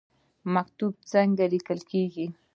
مکتوب څنګه لیکل کیږي؟